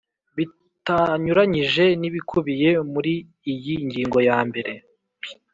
Bitanyuranyije nibikubiye muri iyi ngingo yambere